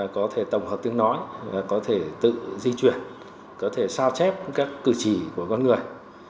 có thể tổng hợp tiếng nói có thể tự di chuyển có thể sao chép các cử chỉ của con người